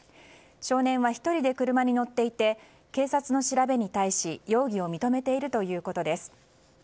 少年は１人で車に乗っていて警察の調べに対し容疑を認めているということです。